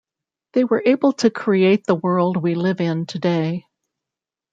They were able to create the world we live in today.